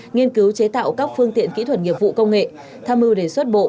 nghiên cứu chế tạo các phương tiện kỹ thuật nghiệp vụ công nghệ tham mưu đề xuất bộ